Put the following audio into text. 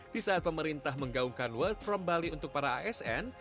di saat pemerintah menggaungkan work from bali untuk para asn